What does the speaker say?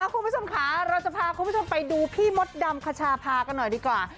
คุณผู้ชมค่ะเราจะพาคุณผู้ชมไปดูพี่มดดำคชาพากันหน่อยดีกว่า